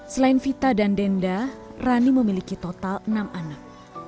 selain vita dan denda rani memiliki total enam anak